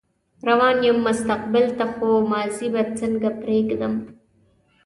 روان يم مستقبل ته خو ماضي به څنګه پرېږدم